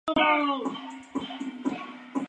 Tras cumplir la sanción fue apartado del equipo.